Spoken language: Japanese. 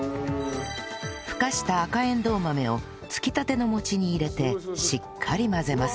蒸かした赤えんどう豆をつきたての餅に入れてしっかり混ぜます